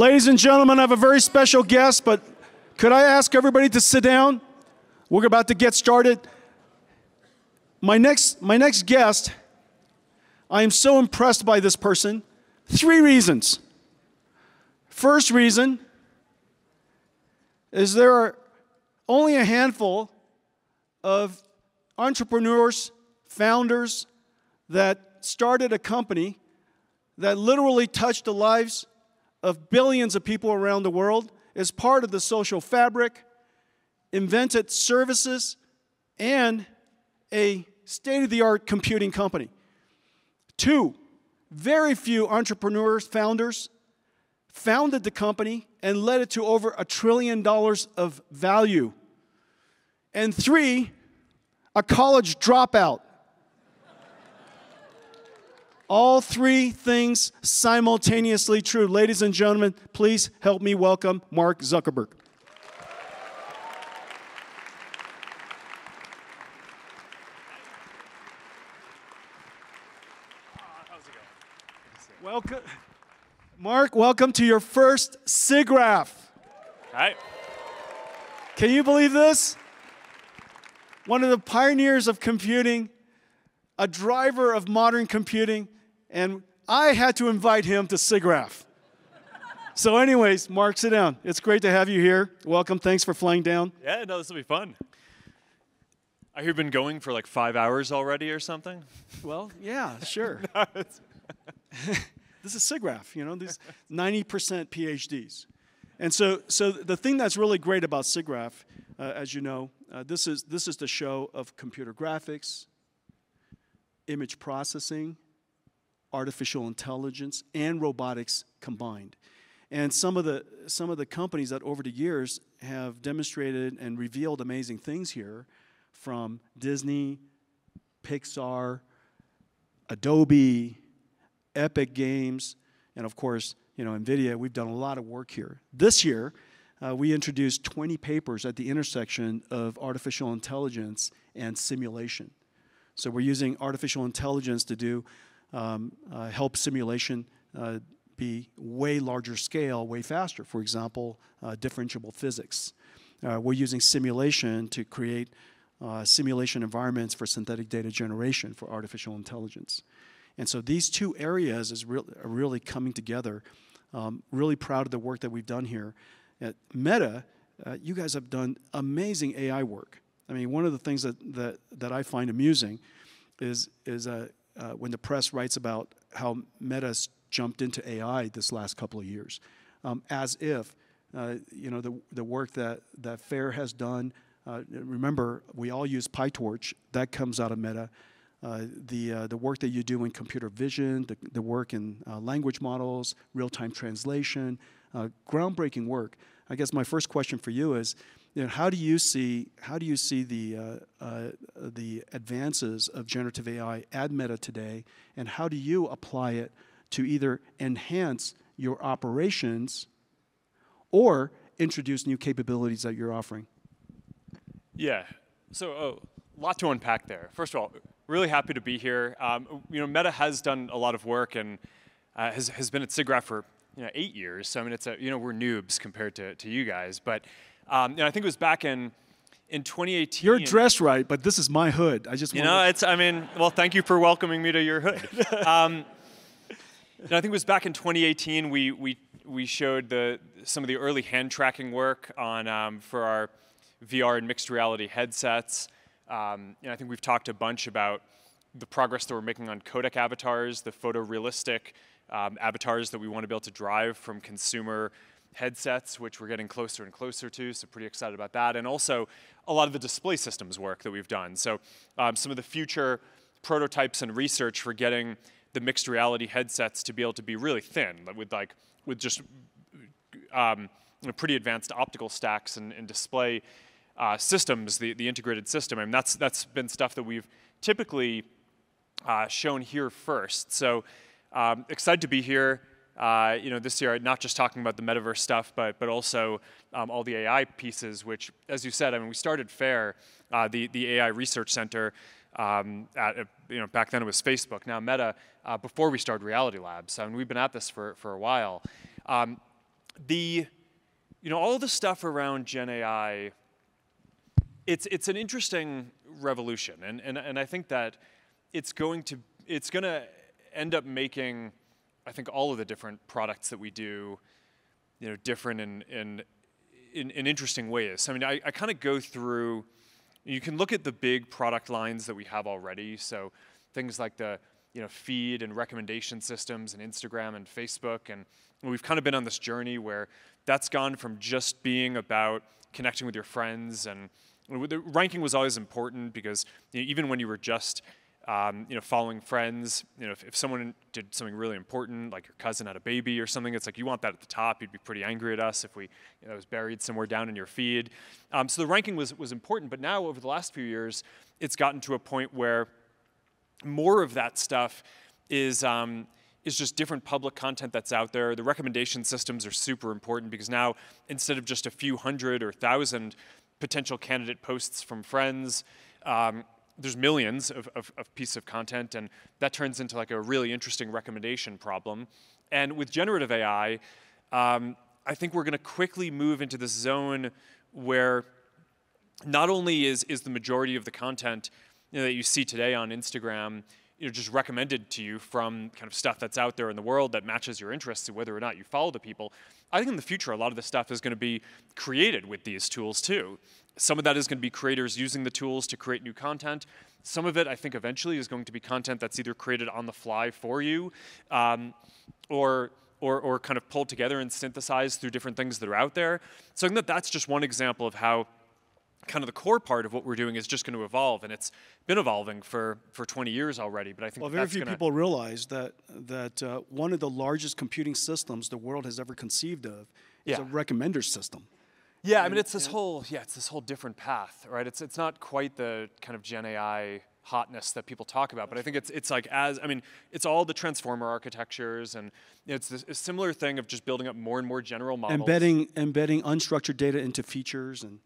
Ladies and gentlemen, I have a very special guest, but could I ask everybody to sit down? We're about to get started. My next guest, I am so impressed by this person, three reasons. First reason is there are only a handful of entrepreneurs, founders that started a company that literally touched the lives of billions of people around the world as part of the social fabric, invented services, and a state-of-the-art computing company. Two, very few entrepreneurs, founders founded the company and led it to over $1 trillion of value. And three, a college dropout. All three things simultaneously true. Ladies and gentlemen, please help me welcome Mark Zuckerberg. How's it going? Mark, welcome to your first SIGGRAPH. All right. Can you believe this? One of the pioneers of computing, a driver of modern computing, and I had to invite him to SIGGRAPH. So anyways, Mark, sit down. It's great to have you here. Welcome. Thanks for flying down. Yeah, no, this will be fun. I hear you've been going for like 5 hours already or something. Well, yeah, sure. This is SIGGRAPH, you know, these 90% PhDs. And so the thing that's really great about SIGGRAPH, as you know, this is the show of computer graphics, image processing, artificial intelligence, and robotics combined. And some of the companies that over the years have demonstrated and revealed amazing things here, from Disney, Pixar, Adobe, Epic Games, and of course, you know, NVIDIA, we've done a lot of work here. This year, we introduced 20 papers at the intersection of artificial intelligence and simulation. So we're using artificial intelligence to help simulation be way larger scale, way faster, for example, differentiable physics. We're using simulation to create simulation environments for synthetic data generation for artificial intelligence. And so these two areas are really coming together. Really proud of the work that we've done here. At Meta, you guys have done amazing AI work. I mean, one of the things that I find amusing is when the press writes about how Meta's jumped into AI this last couple of years, as if, you know, the work that FAIR has done, remember, we all use PyTorch, that comes out of Meta. The work that you do in computer vision, the work in language models, real-time translation, groundbreaking work. I guess my first question for you is, how do you see the advances of generative AI at Meta today, and how do you apply it to either enhance your operations or introduce new capabilities that you're offering? Yeah, so a lot to unpack there. First of all, really happy to be here. You know, Meta has done a lot of work and has been at SIGGRAPH for eight years. So I mean, it's, you know, we're noobs compared to you guys. But I think it was back in 2018. You're dressed right, but this is my hood. I just want to. You know, it's, I mean, well, thank you for welcoming me to your hood. I think it was back in 2018, we showed some of the early hand tracking work for our VR and mixed reality headsets. I think we've talked a bunch about the progress that we're making on Codec Avatars, the photorealistic avatars that we want to be able to drive from consumer headsets, which we're getting closer and closer to. So pretty excited about that. Also a lot of the display systems work that we've done. So some of the future prototypes and research for getting the mixed reality headsets to be able to be really thin, with just pretty advanced optical stacks and display systems, the integrated system. I mean, that's been stuff that we've typically shown here first. So excited to be here, you know, this year, not just talking about the metaverse stuff, but also all the AI pieces, which, as you said, I mean, we started FAIR, the AI research center. Back then it was Facebook, now Meta, before we started Reality Labs. So I mean, we've been at this for a while. You know, all the stuff around GenAI, it's an interesting revolution. And I think that it's going to end up making, I think, all of the different products that we do, you know, different in interesting ways. I mean, I kind of go through, you can look at the big product lines that we have already. So things like the feed and recommendation systems and Instagram and Facebook. And we've kind of been on this journey where that's gone from just being about connecting with your friends. The ranking was always important because even when you were just following friends, you know, if someone did something really important, like your cousin had a baby or something, it's like you want that at the top. You'd be pretty angry at us if it was buried somewhere down in your feed. So the ranking was important. But now over the last few years, it's gotten to a point where more of that stuff is just different public content that's out there. The recommendation systems are super important because now instead of just a few hundred or thousand potential candidate posts from friends, there's millions of pieces of content. And that turns into like a really interesting recommendation problem. With generative AI, I think we're going to quickly move into this zone where not only is the majority of the content that you see today on Instagram just recommended to you from kind of stuff that's out there in the world that matches your interests and whether or not you follow the people. I think in the future, a lot of this stuff is going to be created with these tools too. Some of that is going to be creators using the tools to create new content. Some of it, I think eventually is going to be content that's either created on the fly for you or kind of pulled together and synthesized through different things that are out there. So I think that that's just one example of how kind of the core part of what we're doing is just going to evolve. It's been evolving for 20 years already. But I think. Well, very few people realize that one of the largest computing systems the world has ever conceived of is a recommender system. Yeah, I mean, it's this whole different path, right? It's not quite the kind of GenAI hotness that people talk about. But I think it's like, I mean, it's all the transformer architectures. It's a similar thing of just building up more and more general models. Embedding unstructured data into features and.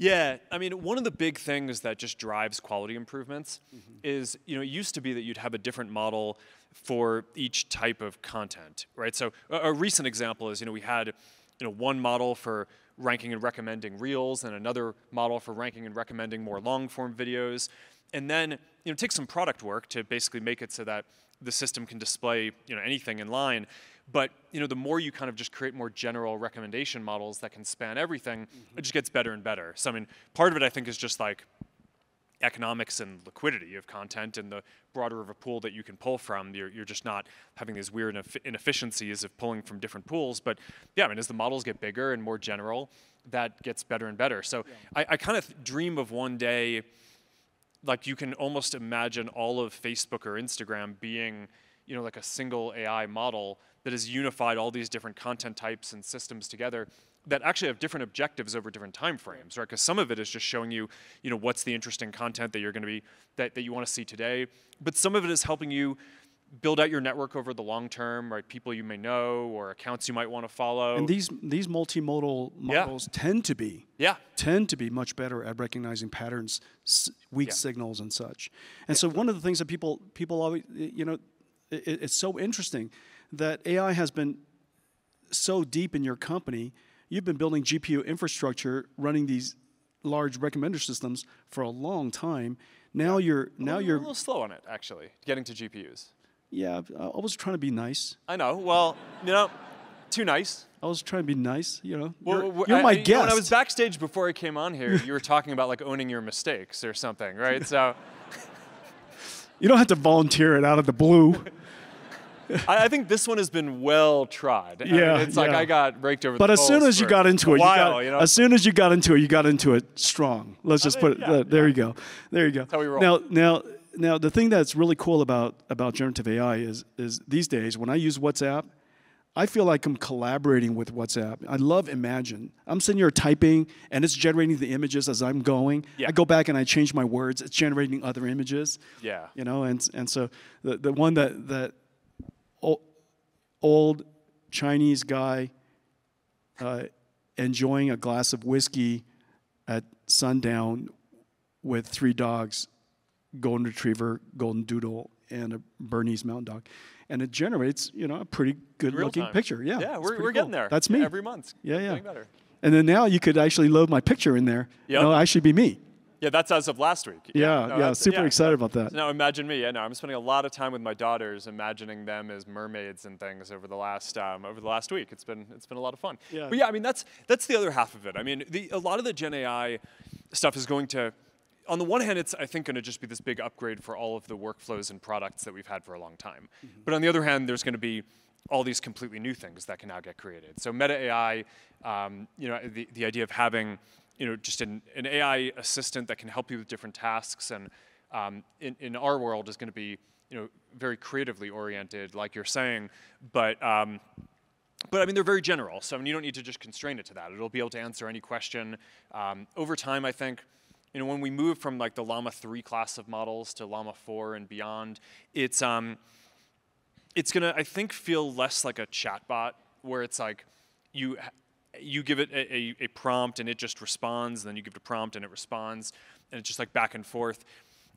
Yeah, I mean, one of the big things that just drives quality improvements is, you know, it used to be that you'd have a different model for each type of content, right? So a recent example is, you know, we had one model for ranking and recommending Reels and another model for ranking and recommending more long-form videos. And then it takes some product work to basically make it so that the system can display anything in line. But the more you kind of just create more general recommendation models that can span everything, it just gets better and better. So I mean, part of it I think is just like economics and liquidity of content and the broader of a pool that you can pull from. You're just not having these weird inefficiencies of pulling from different pools. But yeah, I mean, as the models get bigger and more general, that gets better and better. So I kind of dream of one day like you can almost imagine all of Facebook or Instagram being like a single AI model that has unified all these different content types and systems together that actually have different objectives over different time frames, right? Because some of it is just showing you what's the interesting content that you're going to be, that you want to see today. But some of it is helping you build out your network over the long term, right? People you may know or accounts you might want to follow. And these multimodal models tend to be much better at recognizing patterns, weak signals, and such. And so one of the things that people, you know, it's so interesting that AI has been so deep in your company. You've been building GPU infrastructure, running these large recommender systems for a long time. Now you're. I'm a little slow on it, actually, getting to GPUs. Yeah, I was trying to be nice. I know. Well, you know, too nice. I was trying to be nice, you know. You're my guest. When I was backstage before I came on here, you were talking about like owning your mistakes or something, right? You don't have to volunteer it out of the blue. I think this one has been well tried. It's like I got raked over the bucket. But as soon as you got into it, you got into it strong. Let's just put it, there you go. There you go. Tell me you're all right. Now, the thing that's really cool about generative AI is these days when I use WhatsApp, I feel like I'm collaborating with WhatsApp. I love Imagine. I'm sitting here typing and it's generating the images as I'm going. I go back and I change my words. It's generating other images. Yeah. You know, and so the one that old Chinese guy enjoying a glass of whiskey at sundown with three dogs, Golden Retriever, Goldendoodle, and a Bernese Mountain Dog. It generates a pretty good-looking picture. Really cool. Yeah, we're getting there. That's me. Every month. Yeah, yeah. Way better. Then now you could actually load my picture in there. I should be me. Yeah, that's as of last week. Yeah, yeah, super excited about that. Now, imagine me. I'm spending a lot of time with my daughters imagining them as mermaids and things over the last week. It's been a lot of fun. But yeah, I mean, that's the other half of it. I mean, a lot of the GenAI stuff is going to, on the one hand, it's I think going to just be this big upgrade for all of the workflows and products that we've had for a long time. But on the other hand, there's going to be all these completely new things that can now get created. So Meta AI, you know, the idea of having just an AI assistant that can help you with different tasks in our world is going to be very creatively oriented, like you're saying. But I mean, they're very general. So I mean, you don't need to just constrain it to that. It'll be able to answer any question. Over time, I think, you know, when we move from like the Llama 3 class of models to Llama 4 and beyond, it's going to, I think, feel less like a chatbot where it's like you give it a prompt and it just responds, and then you give it a prompt and it responds, and it's just like back and forth.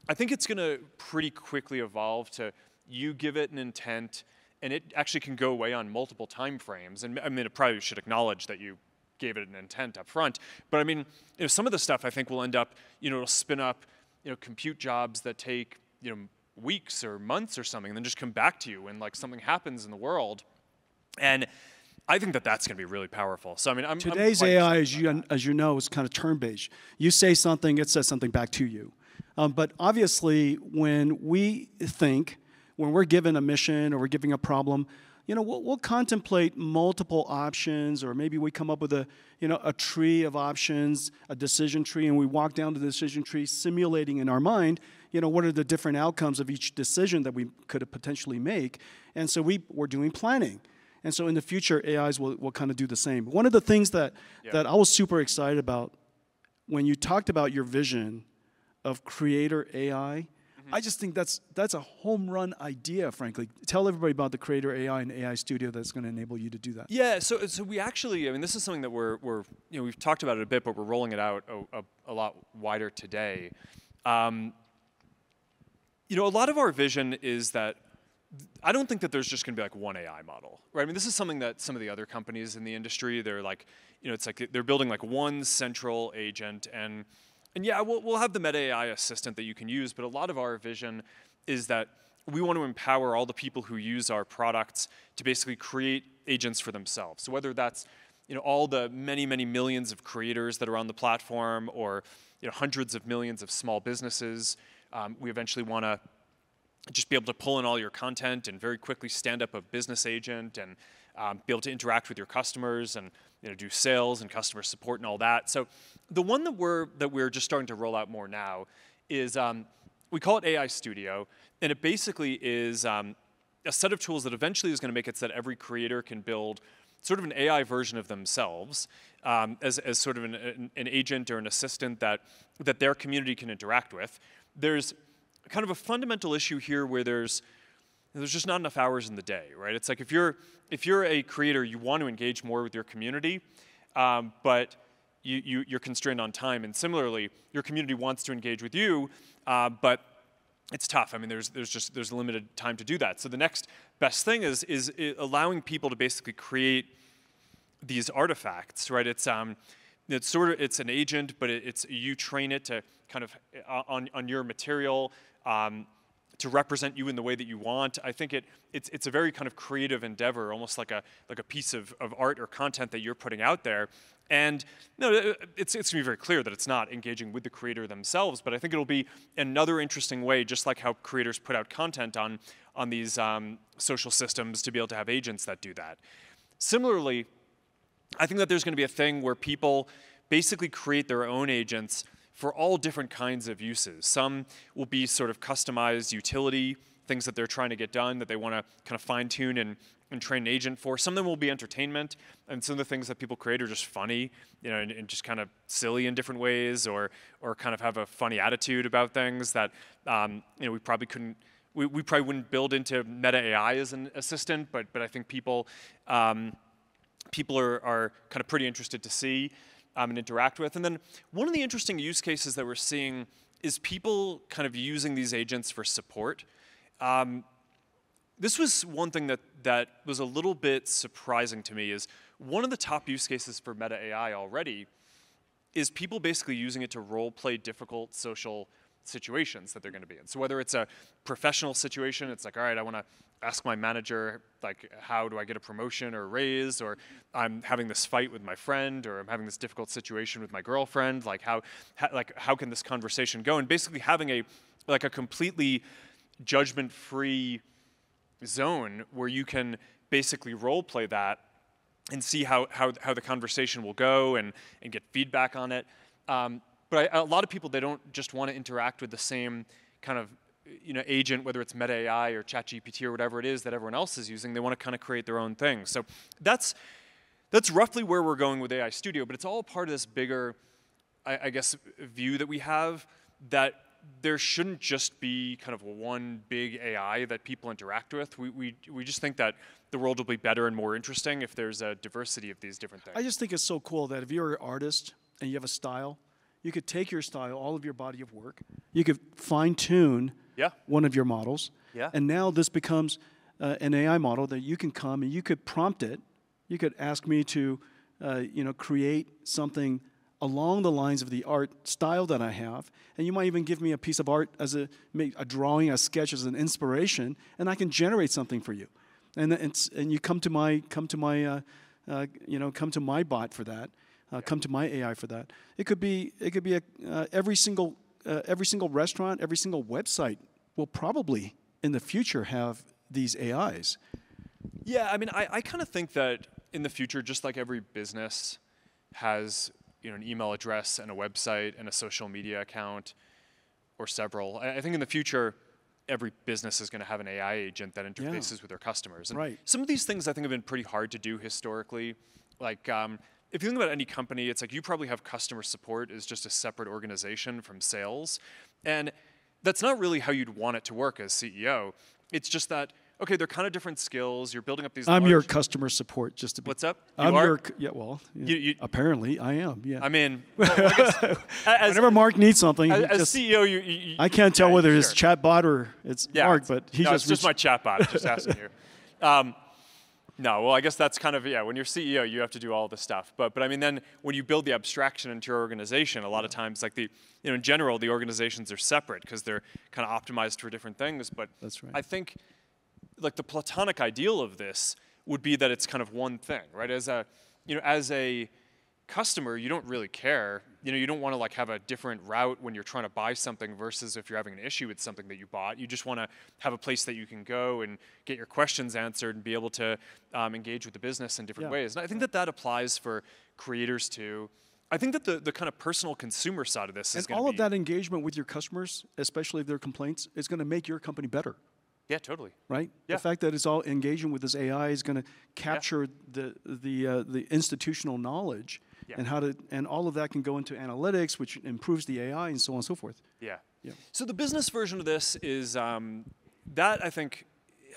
I think it's going to pretty quickly evolve to you give it an intent, and it actually can go away on multiple time frames. And I mean, it probably should acknowledge that you gave it an intent upfront. But I mean, some of the stuff I think will end up, you know, it'll spin up compute jobs that take weeks or months or something, and then just come back to you when something happens in the world. I think that that's going to be really powerful. So I mean. Today's AI, as you know, is kind of turn-based. You say something, it says something back to you. But obviously, when we think, when we're given a mission or we're given a problem, you know, we'll contemplate multiple options, or maybe we come up with a tree of options, a decision tree, and we walk down the decision tree simulating in our mind, you know, what are the different outcomes of each decision that we could potentially make. And so we're doing planning. And so in the future, AIs will kind of do the same. One of the things that I was super excited about when you talked about your vision of Creator AI, I just think that's a home run idea, frankly. Tell everybody about the Creator AI and AI studio that's going to enable you to do that. Yeah, so we actually, I mean, this is something that we've talked about it a bit, but we're rolling it out a lot wider today. You know, a lot of our vision is that I don't think that there's just going to be like one AI model, right? I mean, this is something that some of the other companies in the industry, they're like, you know, it's like they're building like one central agent. And yeah, we'll have the Meta AI assistant that you can use, but a lot of our vision is that we want to empower all the people who use our products to basically create agents for themselves. So whether that's all the many, many millions of creators that are on the platform or hundreds of millions of small businesses, we eventually want to just be able to pull in all your content and very quickly stand up a business agent and be able to interact with your customers and do sales and customer support and all that. So the one that we're just starting to roll out more now is we call it AI Studio. And it basically is a set of tools that eventually is going to make it so that every creator can build sort of an AI version of themselves as sort of an agent or an assistant that their community can interact with. There's kind of a fundamental issue here where there's just not enough hours in the day, right? It's like if you're a creator, you want to engage more with your community, but you're constrained on time. Similarly, your community wants to engage with you, but it's tough. I mean, there's limited time to do that. The next best thing is allowing people to basically create these artifacts, right? It's sort of an agent, but you train it to kind of on your material to represent you in the way that you want. I think it's a very kind of creative endeavor, almost like a piece of art or content that you're putting out there. It's going to be very clear that it's not engaging with the creator themselves. I think it'll be another interesting way, just like how creators put out content on these social systems, to be able to have agents that do that. Similarly, I think that there's going to be a thing where people basically create their own agents for all different kinds of uses. Some will be sort of customized utility, things that they're trying to get done that they want to kind of fine-tune and train an agent for. Some of them will be entertainment. And some of the things that people create are just funny and just kind of silly in different ways or kind of have a funny attitude about things that we probably wouldn't build into Meta AI as an assistant. But I think people are kind of pretty interested to see and interact with. And then one of the interesting use cases that we're seeing is people kind of using these agents for support. This was one thing that was a little bit surprising to me: one of the top use cases for Meta AI already is people basically using it to role-play difficult social situations that they're going to be in. So whether it's a professional situation, it's like, all right, I want to ask my manager, like, how do I get a promotion or a raise, or I'm having this fight with my friend, or I'm having this difficult situation with my girlfriend. Like, how can this conversation go? And basically having a completely judgment-free zone where you can basically role-play that and see how the conversation will go and get feedback on it. But a lot of people, they don't just want to interact with the same kind of agent, whether it's Meta AI or ChatGPT or whatever it is that everyone else is using. They want to kind of create their own thing. So that's roughly where we're going with AI Studio. But it's all part of this bigger, I guess, view that we have that there shouldn't just be kind of one big AI that people interact with. We just think that the world will be better and more interesting if there's a diversity of these different things. I just think it's so cool that if you're an artist and you have a style, you could take your style, all of your body of work, you could fine-tune one of your models. And now this becomes an AI model that you can come and you could prompt it. You could ask me to create something along the lines of the art style that I have. And you might even give me a piece of art as a drawing, a sketch as an inspiration. And I can generate something for you. And you come to my bot for that, come to my AI for that. It could be every single restaurant, every single website will probably in the future have these AIs. Yeah, I mean, I kind of think that in the future, just like every business has an email address and a website and a social media account or several. I think in the future, every business is going to have an AI agent that interfaces with their customers. And some of these things I think have been pretty hard to do historically. Like if you think about any company, it's like you probably have customer support as just a separate organization from sales. And that's not really how you'd want it to work as CEO. It's just that, okay, they're kind of different skills. You're building up these lines. I'm your customer support just to be. What's up? I'm your, yeah. Well, apparently I am, yeah. I mean. Whenever Mark needs something. As CEO, you. I can't tell whether it's chatbot or it's Mark, but he just. No, it's just my chatbot. Just asking you. No, well, I guess that's kind of, yeah, when you're CEO, you have to do all this stuff. But I mean, then when you build the abstraction into your organization, a lot of times, like in general, the organizations are separate because they're kind of optimized for different things. But I think like the platonic ideal of this would be that it's kind of one thing, right? As a customer, you don't really care. You don't want to have a different route when you're trying to buy something versus if you're having an issue with something that you bought. You just want to have a place that you can go and get your questions answered and be able to engage with the business in different ways. And I think that that applies for creators too. I think that the kind of personal consumer side of this is going to be. All of that engagement with your customers, especially if their complaints, is going to make your company better. Yeah, totally. Right? The fact that it's all engaging with this AI is going to capture the institutional knowledge and all of that can go into analytics, which improves the AI and so on and so forth. Yeah. So the business version of this is that, I think,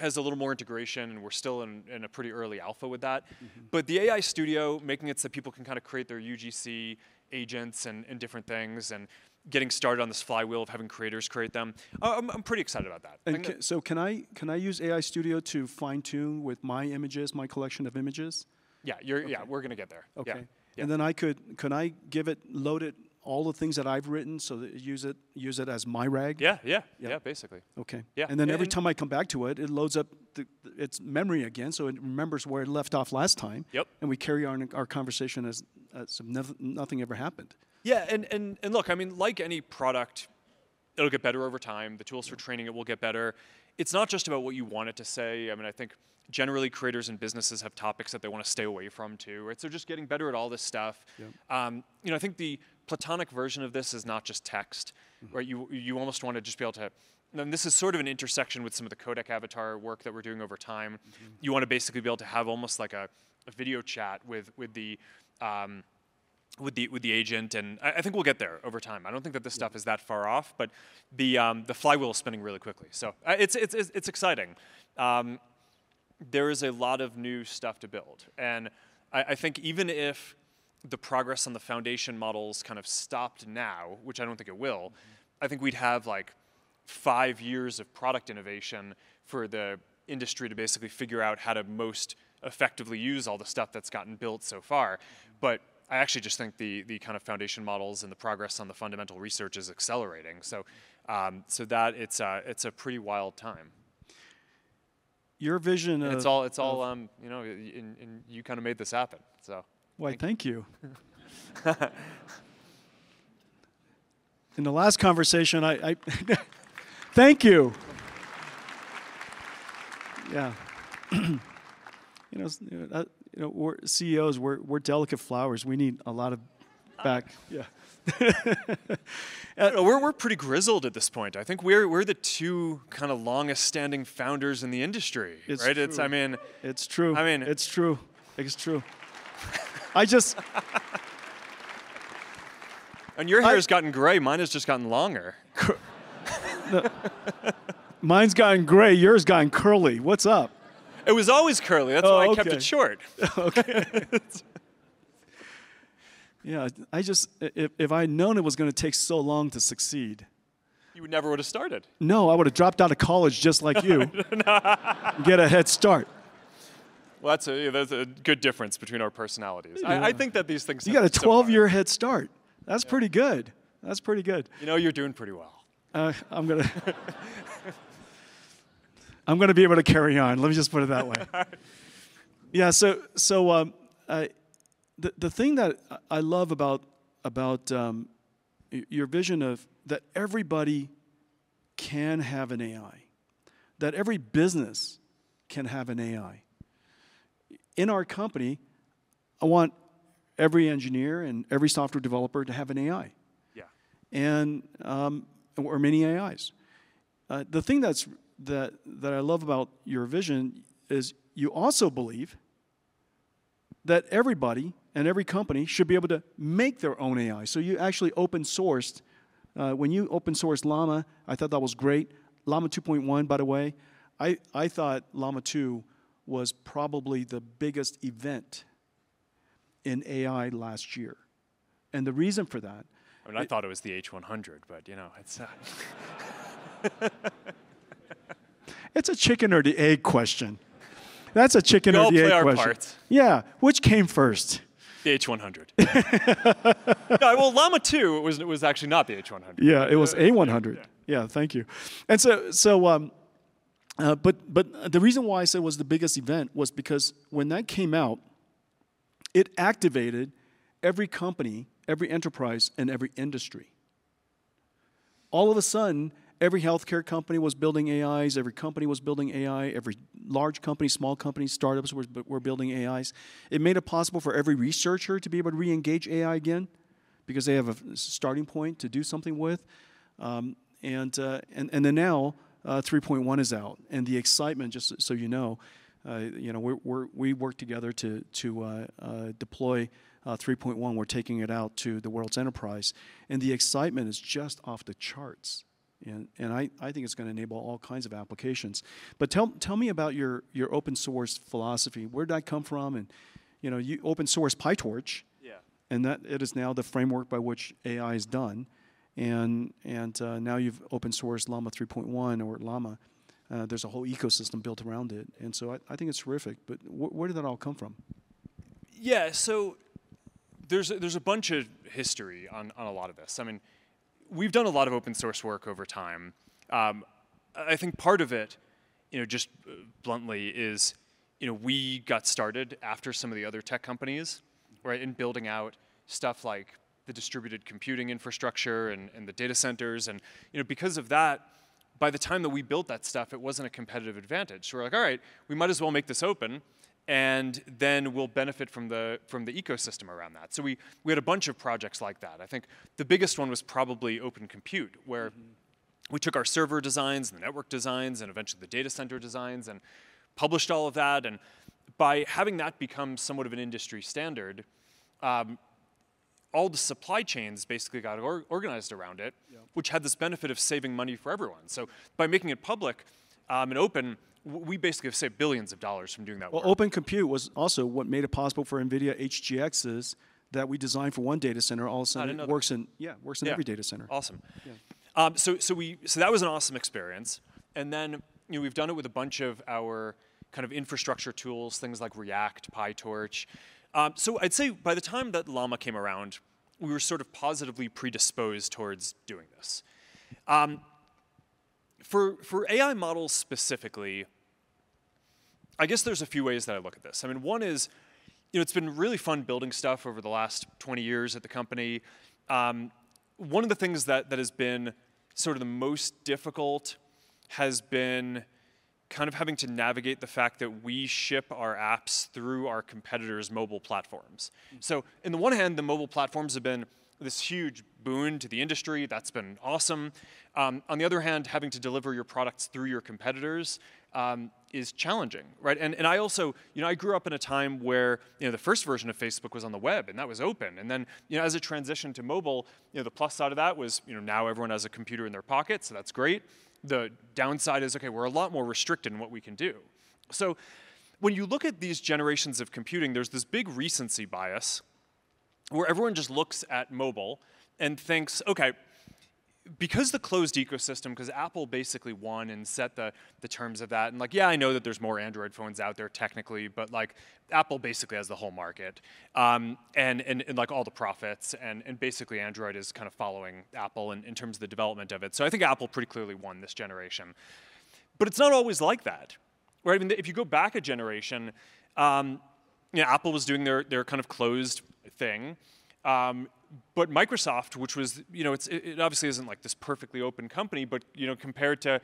has a little more integration. And we're still in a pretty early alpha with that. But the AI Studio, making it so people can kind of create their UGC agents and different things and getting started on this flywheel of having creators create them. I'm pretty excited about that. Can I use AI Studio to fine-tune with my images, my collection of images? Yeah, yeah, we're going to get there. Okay. And then can I give it, load it, all the things that I've written so that it uses it as my RAG? Yeah, yeah, yeah, basically. Okay. And then every time I come back to it, it loads up its memory again. So it remembers where it left off last time. And we carry on our conversation as if nothing ever happened. Yeah. And look, I mean, like any product, it'll get better over time. The tools for training it will get better. It's not just about what you want it to say. I mean, I think generally creators and businesses have topics that they want to stay away from too. So just getting better at all this stuff. I think the platonic version of this is not just text, right? You almost want to just be able to, and this is sort of an intersection with some of the Codec Avatar work that we're doing over time. You want to basically be able to have almost like a video chat with the agent. And I think we'll get there over time. I don't think that this stuff is that far off, but the flywheel is spinning really quickly. So it's exciting. There is a lot of new stuff to build. I think even if the progress on the foundation models kind of stopped now, which I don't think it will, I think we'd have like five years of product innovation for the industry to basically figure out how to most effectively use all the stuff that's gotten built so far. I actually just think the kind of foundation models and the progress on the fundamental research is accelerating. That it's a pretty wild time. Your vision. It's all, you know, and you kind of made this happen, so. Well, thank you. In the last conversation, thank you. Yeah. You know, CEOs, we're delicate flowers. We need a lot of back. Yeah. We're pretty grizzled at this point. I think we're the two kind of longest-standing founders in the industry, right? I mean. It's true. It's true. It's true. Your hair's gotten gray. Mine has just gotten longer. Mine's gotten gray. Yours gotten curly. What's up? It was always curly. That's why I kept it short. Okay. Yeah, I just, if I'd known it was going to take so long to succeed. You would never have started. No, I would have dropped out of college just like you. Get a head start. Well, that's a good difference between our personalities. I think that these things seem to. You got a 12-year head start. That's pretty good. That's pretty good. You know, you're doing pretty well. I'm going to be able to carry on. Let me just put it that way. Yeah, so the thing that I love about your vision of that everybody can have an AI, that every business can have an AI. In our company, I want every engineer and every software developer to have an AI. Yeah. And/or many AIs. The thing that I love about your vision is you also believe that everybody and every company should be able to make their own AI. So you actually open-sourced. When you open-sourced Llama, I thought that was great. Llama 2.1, by the way, I thought Llama 2 was probably the biggest event in AI last year. And the reason for that. I mean, I thought it was the H100, but you know. It's a chicken or the egg question. That's a chicken or the egg question. Both their parts. Yeah. Which came first? The H100. No, well, Llama 2 was actually not the H100. Yeah, it was A100. Yeah, thank you. And so, but the reason why I said it was the biggest event was because when that came out, it activated every company, every enterprise, and every industry. All of a sudden, every healthcare company was building AIs. Every company was building AI. Every large company, small company, startups were building AIs. It made it possible for every researcher to be able to reengage AI again because they have a starting point to do something with. And then now 3.1 is out. And the excitement, just so you know, we worked together to deploy 3.1. We're taking it out to the world's enterprise. And the excitement is just off the charts. And I think it's going to enable all kinds of applications. But tell me about your open-source philosophy. Where did that come from? And you open-sourced PyTorch. Yeah. That is now the framework by which AI is done. Now you've open-sourced Llama 3.1 or Llama. There's a whole ecosystem built around it. So I think it's terrific. But where did that all come from? Yeah, so there's a bunch of history on a lot of this. I mean, we've done a lot of open-source work over time. I think part of it, just bluntly, is we got started after some of the other tech companies in building out stuff like the distributed computing infrastructure and the data centers. And because of that, by the time that we built that stuff, it wasn't a competitive advantage. So we're like, all right, we might as well make this open. And then we'll benefit from the ecosystem around that. So we had a bunch of projects like that. I think the biggest one was probably Open Compute, where we took our server designs and the network designs and eventually the data center designs and published all of that. By having that become somewhat of an industry standard, all the supply chains basically got organized around it, which had this benefit of saving money for everyone. By making it public and open, we basically have saved billions of dollars from doing that. Well, Open Compute was also what made it possible for NVIDIA HGXs that we designed for one data center all of a sudden works in every data center. Yeah, awesome. So that was an awesome experience. And then we've done it with a bunch of our kind of infrastructure tools, things like React, PyTorch. So I'd say by the time that Llama came around, we were sort of positively predisposed towards doing this. For AI models specifically, I guess there's a few ways that I look at this. I mean, one is it's been really fun building stuff over the last 20 years at the company. One of the things that has been sort of the most difficult has been kind of having to navigate the fact that we ship our apps through our competitors' mobile platforms. So on the one hand, the mobile platforms have been this huge boon to the industry. That's been awesome. On the other hand, having to deliver your products through your competitors is challenging, right? And I also, you know, I grew up in a time where the first version of Facebook was on the web, and that was open. And then as it transitioned to mobile, the plus side of that was now everyone has a computer in their pocket, so that's great. The downside is, okay, we're a lot more restricted in what we can do. So when you look at these generations of computing, there's this big recency bias where everyone just looks at mobile and thinks, okay, because the closed ecosystem, because Apple basically won and set the terms of that. And like, yeah, I know that there's more Android phones out there technically, but like Apple basically has the whole market and like all the profits. And basically Android is kind of following Apple in terms of the development of it. So I think Apple pretty clearly won this generation. But it's not always like that, right? I mean, if you go back a generation, Apple was doing their kind of closed thing. But Microsoft, which was, it obviously isn't like this perfectly open company, but compared to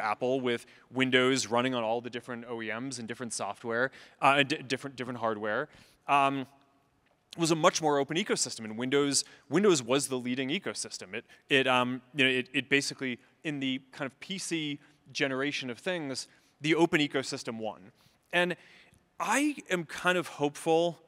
Apple with Windows running on all the different OEMs and different software and different hardware, it was a much more open ecosystem. And Windows was the leading ecosystem. It basically, in the kind of PC generation of things, the open ecosystem won. And I am kind of hopeful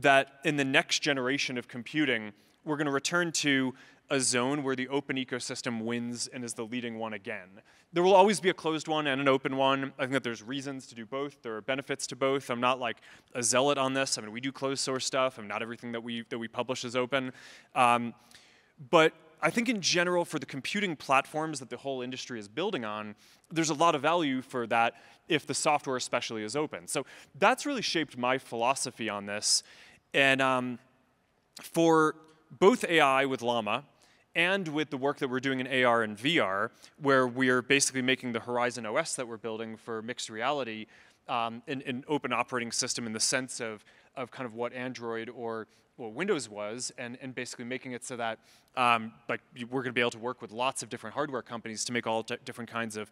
that in the next generation of computing, we're going to return to a zone where the open ecosystem wins and is the leading one again. There will always be a closed one and an open one. I think that there's reasons to do both. There are benefits to both. I'm not like a zealot on this. I mean, we do closed source stuff. I mean, not everything that we publish is open. But I think in general, for the computing platforms that the whole industry is building on, there's a lot of value for that if the software especially is open. So that's really shaped my philosophy on this. And for both AI with Llama and with the work that we're doing in AR and VR, where we are basically making the Horizon OS that we're building for mixed reality an open operating system in the sense of kind of what Android or Windows was and basically making it so that we're going to be able to work with lots of different hardware companies to make all different kinds of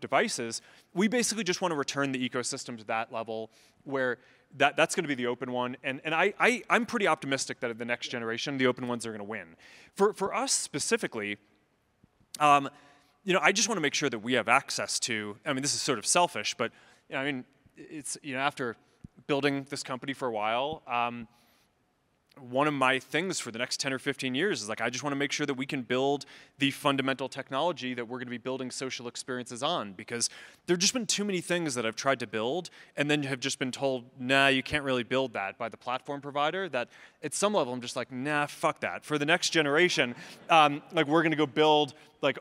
devices. We basically just want to return the ecosystem to that level where that's going to be the open one. I'm pretty optimistic that in the next generation, the open ones are going to win. For us specifically, I just want to make sure that we have access to, I mean, this is sort of selfish, but I mean, after building this company for a while, one of my things for the next 10 or 15 years is like, I just want to make sure that we can build the fundamental technology that we're going to be building social experiences on. Because there have just been too many things that I've tried to build and then have just been told, nah, you can't really build that by the platform provider, that at some level I'm just like, nah, fuck that. For the next generation, we're going to go build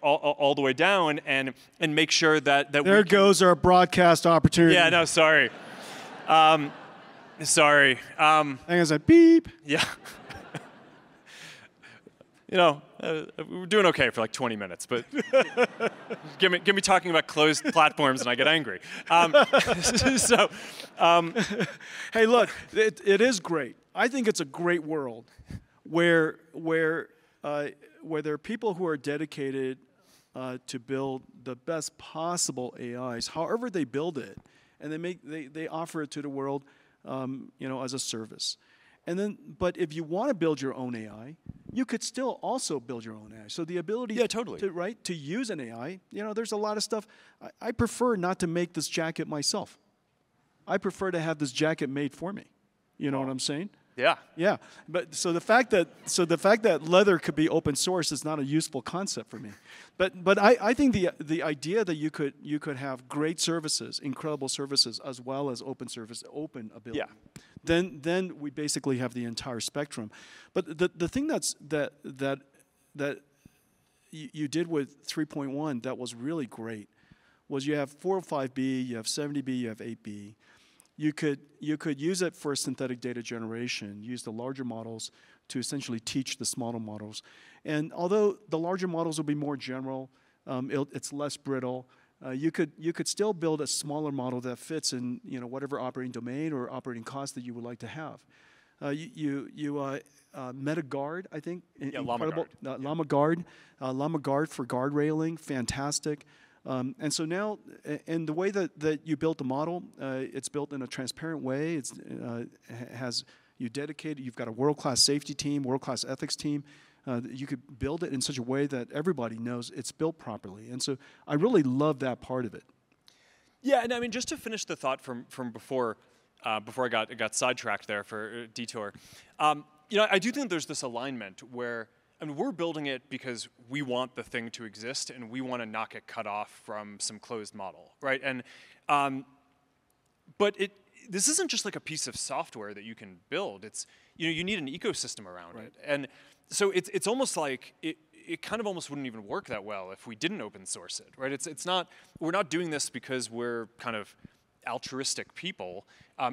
all the way down and make sure that. There goes our broadcast opportunity. Yeah, no, sorry. Sorry. I think I said beep. Yeah. You know, we're doing okay for like 20 minutes, but get me talking about closed platforms and I get angry. Hey, look, it is great. I think it's a great world where there are people who are dedicated to build the best possible AIs, however they build it, and they offer it to the world as a service. But if you want to build your own AI, you could still also build your own AI. So the ability. Yeah, totally. To use an AI, there's a lot of stuff. I prefer not to make this jacket myself. I prefer to have this jacket made for me. You know what I'm saying? Yeah. Yeah. So the fact that Llama could be open source is not a useful concept for me. But I think the idea that you could have great services, incredible services, as well as open ability, then we basically have the entire spectrum. But the thing that you did with 3.1 that was really great was you have 405B, you have 70B, you have 8B. You could use it for synthetic data generation, use the larger models to essentially teach the smaller models. And although the larger models will be more general, it's less brittle, you could still build a smaller model that fits in whatever operating domain or operating cost that you would like to have. Llama Guard, I think. Llama. Llama Guard. Llama Guard for guardrailing. Fantastic. And so now, in the way that you built the model, it's built in a transparent way. It has you dedicated. You've got a world-class safety team, world-class ethics team. You could build it in such a way that everybody knows it's built properly. And so I really love that part of it. Yeah, and I mean, just to finish the thought from before I got sidetracked there for detour, I do think there's this alignment where we're building it because we want the thing to exist and we want to knock it cut off from some closed model, right? But this isn't just like a piece of software that you can build. You need an ecosystem around it. And so it's almost like it kind of almost wouldn't even work that well if we didn't open source it, right? We're not doing this because we're kind of altruistic people,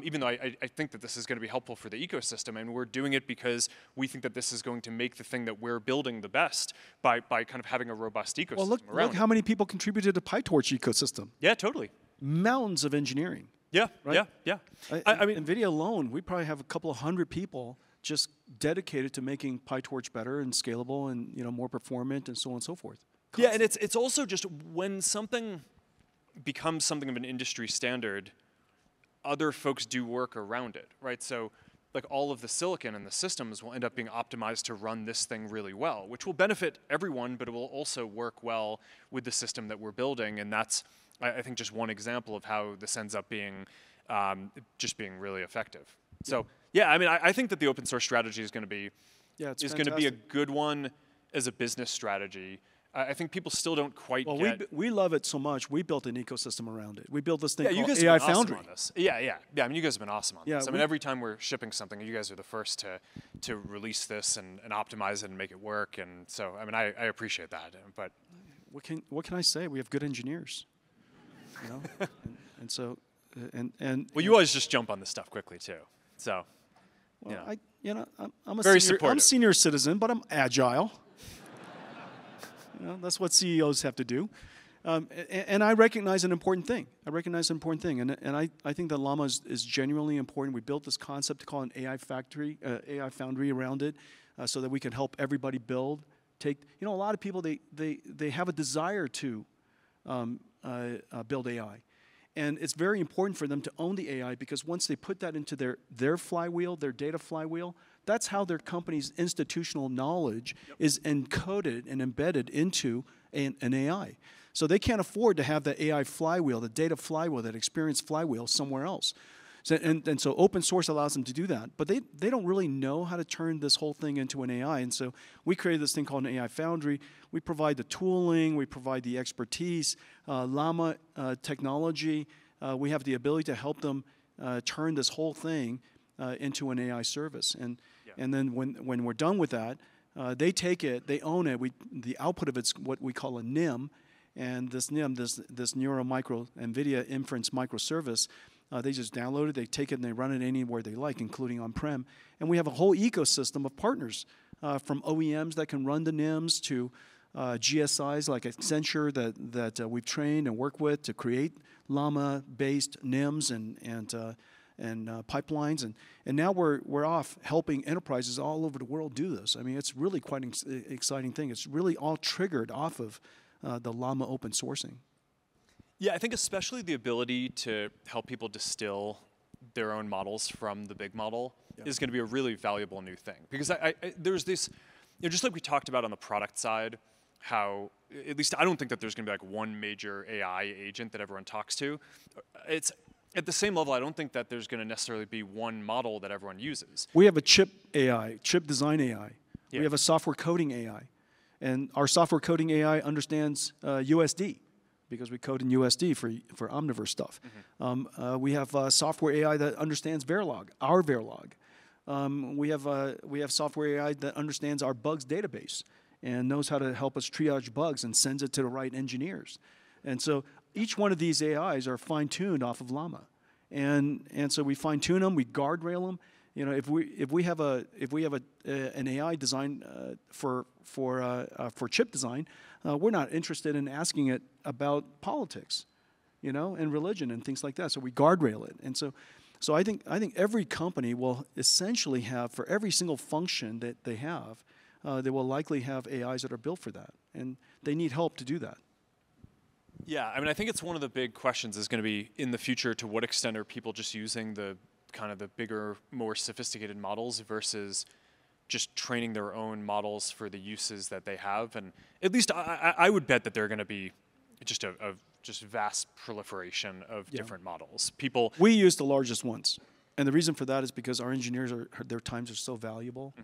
even though I think that this is going to be helpful for the ecosystem. And we're doing it because we think that this is going to make the thing that we're building the best by kind of having a robust ecosystem around it. Well, look how many people contributed to PyTorch ecosystem. Yeah, totally. Mountains of engineering. Yeah, yeah, yeah. I mean, NVIDIA alone, we probably have a couple of hundred people just dedicated to making PyTorch better and scalable and more performant and so on and so forth. Yeah, and it's also just when something becomes something of an industry standard, other folks do work around it, right? So all of the silicon and the systems will end up being optimized to run this thing really well, which will benefit everyone, but it will also work well with the system that we're building. And that's, I think, just one example of how this ends up just being really effective. So yeah, I mean, I think that the open source strategy is going to be a good one as a business strategy. I think people still don't quite get. Well, we love it so much. We built an ecosystem around it. We built this thing around it. Yeah, you guys have been awesome on this. Yeah, yeah, yeah. I mean, you guys have been awesome on this. I mean, every time we're shipping something, you guys are the first to release this and optimize it and make it work. And so I mean, I appreciate that. What can I say? We have good engineers. Well, you always just jump on this stuff quickly, too. Well, I'm a senior citizen, but I'm agile. That's what CEOs have to do. And I recognize an important thing. I recognize an important thing. And I think that Llama is genuinely important. We built this concept to call an AI Foundry around it so that we can help everybody build. A lot of people, they have a desire to build AI. And it's very important for them to own the AI because once they put that into their flywheel, their data flywheel, that's how their company's institutional knowledge is encoded and embedded into an AI. So they can't afford to have that AI flywheel, that data flywheel, that experience flywheel somewhere else. And so open source allows them to do that. But they don't really know how to turn this whole thing into an AI. And so we created this thing called an AI Foundry. We provide the tooling. We provide the expertise. Llama technology, we have the ability to help them turn this whole thing into an AI service. Then when we're done with that, they take it, they own it. The output of it's what we call a NIM. This NIM, this NVIDIA inference microservice, they just download it. They take it and they run it anywhere they like, including on-prem. We have a whole ecosystem of partners from OEMs that can run the NIMs to GSIs like Accenture that we've trained and worked with to create Llama-based NIMs and pipelines. Now we're off helping enterprises all over the world do this. I mean, it's really quite an exciting thing. It's really all triggered off of the Llama open sourcing. Yeah, I think especially the ability to help people distill their own models from the big model is going to be a really valuable new thing. Because there's this, just like we talked about on the product side, how at least I don't think that there's going to be like one major AI agent that everyone talks to. At the same level, I don't think that there's going to necessarily be one model that everyone uses. We have a chip AI, chip design AI. We have a software coding AI. And our software coding AI understands USD because we code in USD for Omniverse stuff. We have software AI that understands Verilog, our Verilog. We have software AI that understands our bugs database and knows how to help us triage bugs and sends it to the right engineers. And so each one of these AIs are fine-tuned off of Llama. And so we fine-tune them. We guardrail them. If we have an AI design for chip design, we're not interested in asking it about politics and religion and things like that. So we guardrail it. And so I think every company will essentially have for every single function that they have, they will likely have AIs that are built for that. And they need help to do that. Yeah, I mean, I think it's one of the big questions is going to be in the future, to what extent are people just using the kind of the bigger, more sophisticated models versus just training their own models for the uses that they have. At least I would bet that there are going to be just a vast proliferation of different models. People. We use the largest ones. The reason for that is because our engineers, their times are so valuable.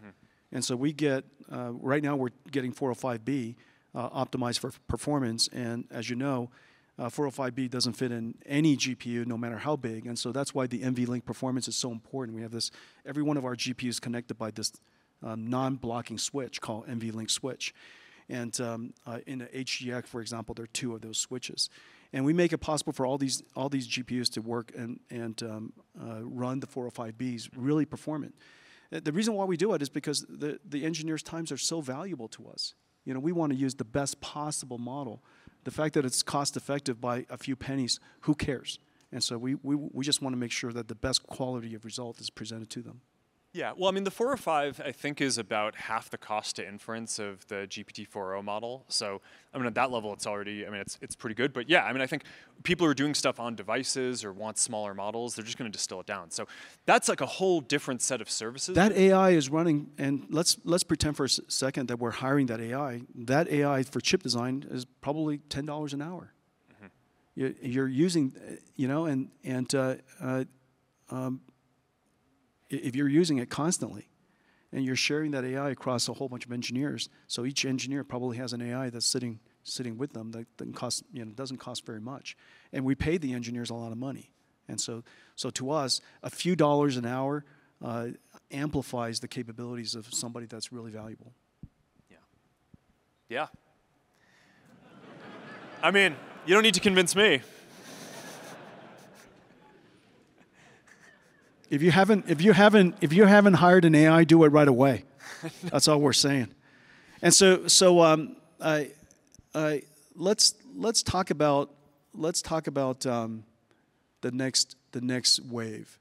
So we get, right now we're getting 405B optimized for performance. As you know, 405B doesn't fit in any GPU no matter how big. So that's why the NVLink performance is so important. We have this, every one of our GPUs connected by this non-blocking switch called NVLink Switch. In HGX, for example, there are two of those switches. We make it possible for all these GPUs to work and run the 405Bs really performant. The reason why we do it is because the engineers' times are so valuable to us. We want to use the best possible model. The fact that it's cost-effective by a few pennies, who cares? We just want to make sure that the best quality of result is presented to them. Yeah, well, I mean, the 405, I think, is about half the cost to inference of the GPT-4o model. So I mean, at that level, it's already, I mean, it's pretty good. But yeah, I mean, I think people who are doing stuff on devices or want smaller models, they're just going to distill it down. So that's like a whole different set of services. That AI is running, and let's pretend for a second that we're hiring that AI. That AI for chip design is probably $10 an hour. And if you're using it constantly and you're sharing that AI across a whole bunch of engineers, so each engineer probably has an AI that's sitting with them that doesn't cost very much. And we pay the engineers a lot of money. And so to us, a few dollars an hour amplifies the capabilities of somebody that's really valuable. Yeah. Yeah. I mean, you don't need to convince me. If you haven't hired an AI, do it right away. That's all we're saying. And so let's talk about the next wave.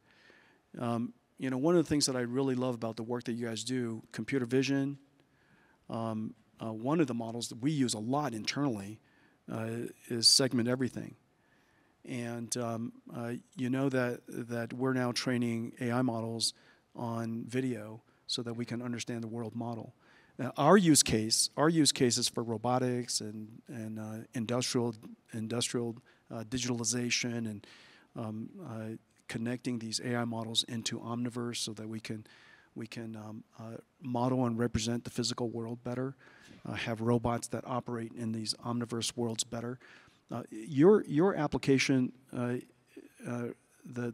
One of the things that I really love about the work that you guys do, computer vision, one of the models that we use a lot internally is Segment Anything. And you know that we're now training AI models on video so that we can understand the world model. Our use case is for robotics and industrial digitalization and connecting these AI models into Omniverse so that we can model and represent the physical world better, have robots that operate in these Omniverse worlds better. Your application, the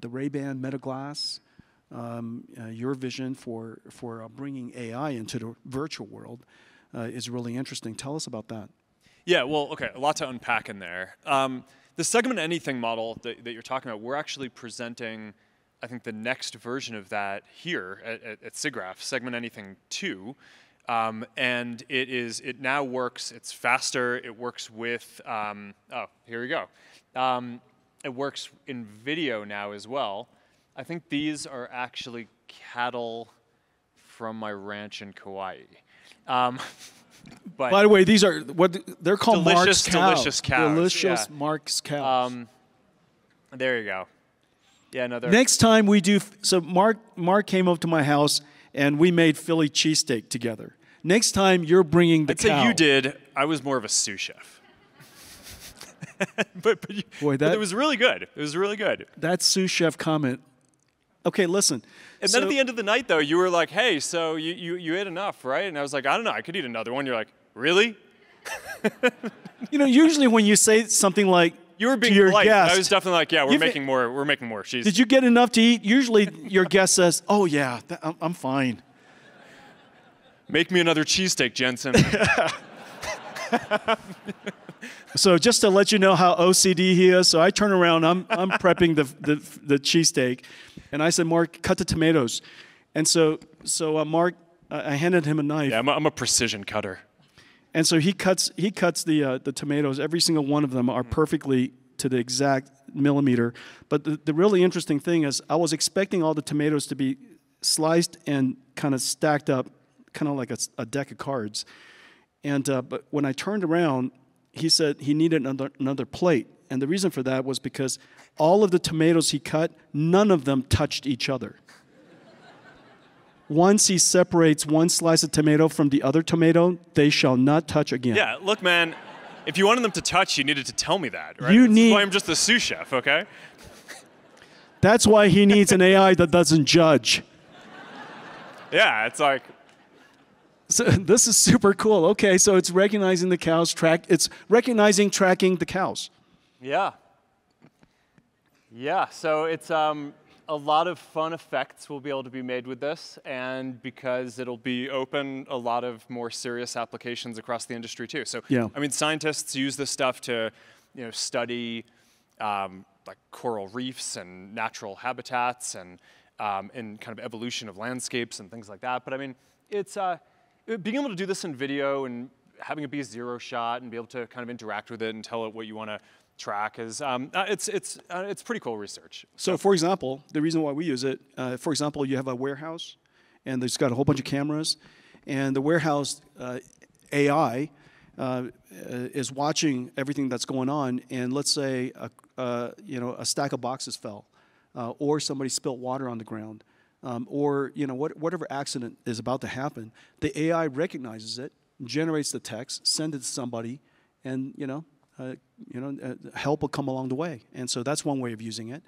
Ray-Ban Meta glasses, your vision for bringing AI into the virtual world is really interesting. Tell us about that. Yeah, well, OK, a lot to unpack in there. The Segment Anything Model that you're talking about, we're actually presenting, I think, the next version of that here at SIGGRAPH, Segment Anything 2. And it now works, it's faster, it works with, oh, here we go. It works in video now as well. I think these are actually cattle from my ranch in Kauai. By the way, they're called Mark's cow. Delicious cows. Delicious Mark's cows. There you go. Yeah, another. Next time we do, so Mark came over to my house and we made Philly cheesesteak together. Next time you're bringing the cow. That's what you did. I was more of a sous chef. Boy, that. It was really good. It was really good. That sous chef comment. OK, listen. And then at the end of the night, though, you were like, hey, so you ate enough, right? And I was like, I don't know, I could eat another one. You're like, really? You know, usually when you say something like. You were being polite. To your guest. I was definitely like, yeah, we're making more. Did you get enough to eat? Usually your guest says, oh yeah, I'm fine. Make me another cheesesteak, Jensen. So just to let you know how OCD he is, so I turn around, I'm prepping the cheesesteak. And I said, Mark, cut the tomatoes. And so Mark, I handed him a knife. Yeah, I'm a precision cutter. He cuts the tomatoes. Every single one of them are perfectly to the exact millimeter. The really interesting thing is I was expecting all the tomatoes to be sliced and kind of stacked up kind of like a deck of cards. When I turned around, he said he needed another plate. The reason for that was because all of the tomatoes he cut, none of them touched each other. Once he separates one slice of tomato from the other tomato, they shall not touch again. Yeah, look, man, if you wanted them to touch, you needed to tell me that, right? You need. That's why I'm just a sous chef, OK? That's why he needs an AI that doesn't judge. Yeah, it's like. This is super cool. OK, so it's recognizing the cows track. It's recognizing tracking the cows. Yeah. Yeah, so it's a lot of fun. Effects will be able to be made with this. And because it'll be open, a lot of more serious applications across the industry, too. So I mean, scientists use this stuff to study coral reefs and natural habitats and kind of evolution of landscapes and things like that. But I mean, being able to do this in video and having it be a zero shot and be able to kind of interact with it and tell it what you want to track is—it's pretty cool research. So, for example, the reason why we use it, for example, you have a warehouse and it's got a whole bunch of cameras. And the warehouse AI is watching everything that's going on. And let's say a stack of boxes fell or somebody spilled water on the ground or whatever accident is about to happen, the AI recognizes it, generates the text, sends it to somebody, and help will come along the way. And so that's one way of using it.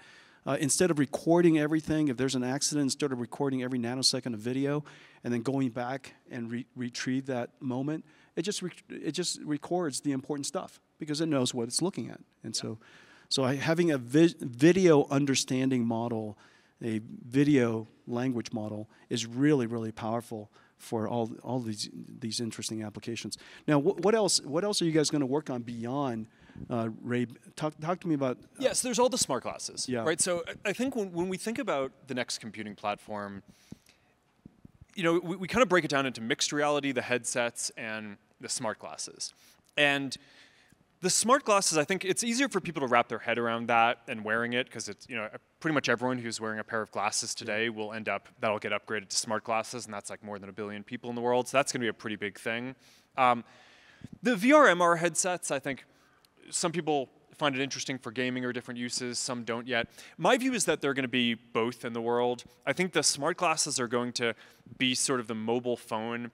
Instead of recording everything, if there's an accident, instead of recording every nanosecond of video and then going back and retrieve that moment, it just records the important stuff because it knows what it's looking at. And so having a video understanding model, a video language model is really, really powerful for all these interesting applications. Now, what else are you guys going to work on beyond Ray? Talk to me about. Yeah, so there's all the smart glasses. So I think when we think about the next computing platform, we kind of break it down into mixed reality, the headsets, and the smart glasses. And the smart glasses, I think it's easier for people to wrap their head around that and wearing it because pretty much everyone who's wearing a pair of glasses today will end up, that'll get upgraded to smart glasses. And that's like more than a billion people in the world. So that's going to be a pretty big thing. The VR, MR headsets, I think some people find it interesting for gaming or different uses. Some don't yet. My view is that they're going to be both in the world. I think the smart glasses are going to be sort of the mobile phone